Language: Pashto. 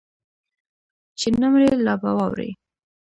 چې نه مرې لا به واورې